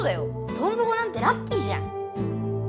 どんぞこなんてラッキーじゃん！